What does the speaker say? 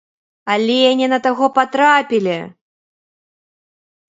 Але не на таго патрапілі!